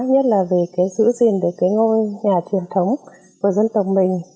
tức là giữ gìn được ngôi nhà truyền thống của dân tộc mình